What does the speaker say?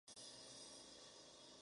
Se hace con leche de vaca.